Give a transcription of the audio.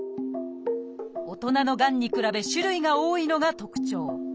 大人のがんに比べ種類が多いのが特徴。